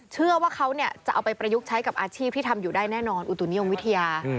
เชื่อว่าเขาจะเอาไปประยุกต์ใช้กับอาชีพที่ทำอยู่ได้แน่นอนอุตุนิยมวิทยา